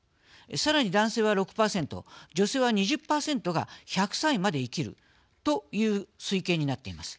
さらに男性は６％女性は２０％が１００歳まで生きるという推計になっています。